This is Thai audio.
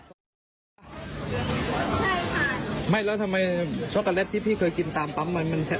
ไม่แล้วทำไมช็อกโกแลตที่พี่เคยกินตามปั๊มมันมัน